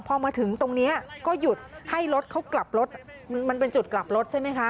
พอมาถึงตรงนี้ก็หยุดให้รถเขากลับรถมันเป็นจุดกลับรถใช่ไหมคะ